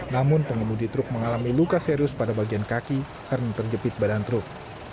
namun pengemudi truk mengalami luka serius pada bagian kaki karena terjepit badan truk